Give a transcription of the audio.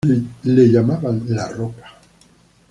La llamaban 'la Roca'.